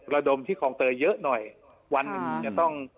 ระดมที่คลองเตยเยอะหน่อยวันหนึ่งจะต้อง